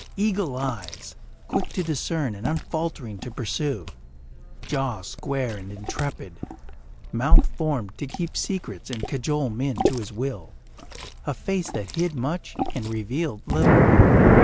Eagle eyes, quick to discern and unfaltering to pursue; jaw square and intrepid; mouth formed to keep secrets and cajole men to his will a face that hid much and revealed little.